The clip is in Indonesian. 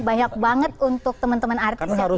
banyak banget untuk teman teman artis yang ikut terjun